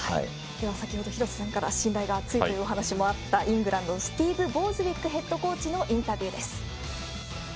先ほど廣瀬さんから信頼が厚いと話があったイングランドのスティーブ・ボーズウィックヘッドコーチのインタビューです。